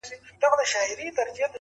ما لیدل د پښتنو بېړۍ ډوبیږي؛